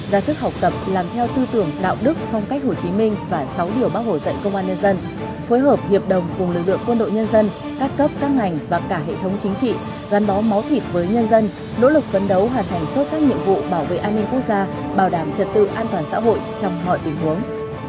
ra sức học tập làm theo tư tưởng đạo đức phong cách hồ chí minh và sáu điều bác hồ dạy công an nhân dân phối hợp hiệp đồng cùng lực lượng quân đội nhân dân các cấp các ngành và cả hệ thống chính trị gắn bó máu thịt với nhân dân nỗ lực phấn đấu hoàn thành xuất sắc nhiệm vụ bảo vệ an ninh quốc gia bảo đảm trật tự an toàn xã hội trong mọi tình huống